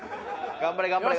頑張れ頑張れ。